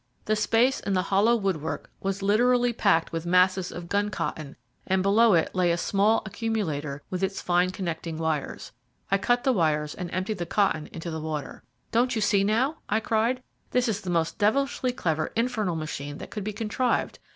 The space in the hollow woodwork was literally packed with masses of gun cotton, and below it lay a small accumulator with its fine connecting wires. I cut the wires and emptied the cotton into the water. "Don't you see now?" I cried. "This is the most devilishly clever infernal machine that could be contrived.